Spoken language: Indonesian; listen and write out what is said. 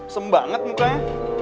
sem banget mukanya